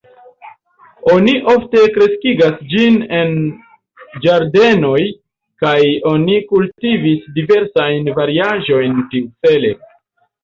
Oni ofte kreskigas ĝin en ĝardenoj kaj oni kultivis diversajn variaĵojn tiucele.